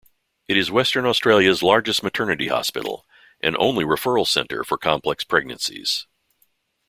It is Western Australia's largest maternity hospital and only referral centre for complex pregnancies.